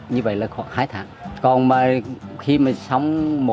nếu nổi một chiếc nổ bao lâu